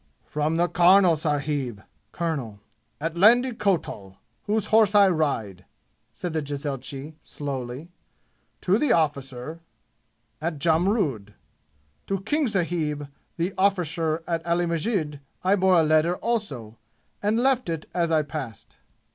"From the karnal sahib (colonel) at Landi Kotal, whose horse I ride," said the jezailchi slowly, "to the arrficer at Jamrud. To King sahib, the arrficer at Ali Masjid I bore a letter also, and left it as I passed."